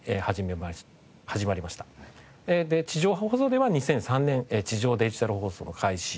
で地上波放送では２００３年地上デジタル放送の開始。